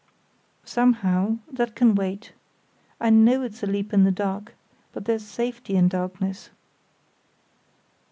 "Somehow—that can wait. I know it's a leap in the dark, but there's safety in darkness."